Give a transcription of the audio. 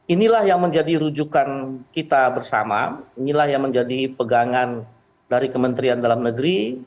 inilah yang menjadi rujukan kita bersama inilah yang menjadi pegangan dari kementerian dalam negeri